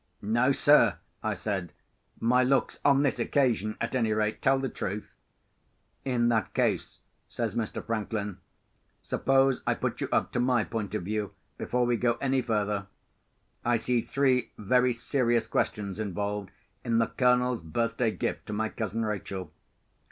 "No, sir," I said. "My looks, on this occasion at any rate, tell the truth." "In that case," says Mr. Franklin, "suppose I put you up to my point of view, before we go any further. I see three very serious questions involved in the Colonel's birthday gift to my cousin Rachel.